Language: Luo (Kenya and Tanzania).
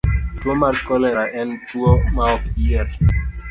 Tuwo mar kolera en tuwo maok yier.